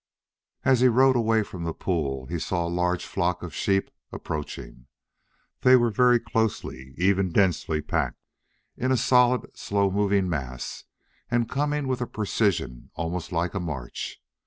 As he rode away from the pool he saw a large flock of sheep approaching. They were very closely, even densely, packed, in a solid slow moving mass and coming with a precision almost like a march.